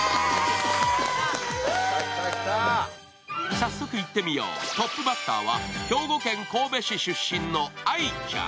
早速いってみよう、トップバッターは兵庫県神戸市出身の愛ちゃん。